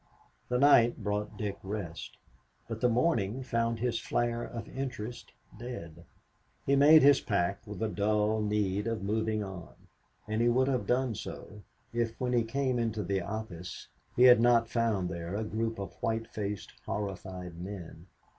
The night brought Dick rest, but the morning found his flare of interest dead. He made his pack with a dull need of moving on, and he would have done so if, when he came into the office, he had not found there a group of white faced, horrified men.